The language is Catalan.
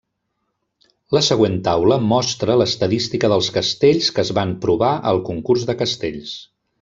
La següent taula mostra l'estadística dels castells que es van provar al concurs de castells.